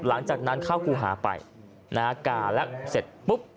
หลังจากนั้นเข้าครูหาไปนะฮะกาแล้วเสร็จปุ๊บ